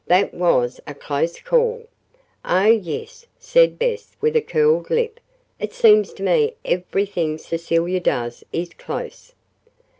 That was a close call." "Oh, yes," said Bess with a curled lip. "It seems to me everything Cecilia does is close."